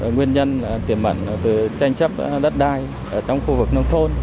nguyên nhân tiềm mẩn từ tranh chấp đất đai trong khu vực nông thôn